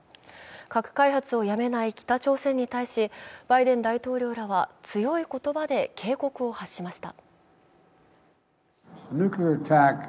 核開発をやめない北朝鮮に対しバイデン大統領らは強い言葉で警告を発しました。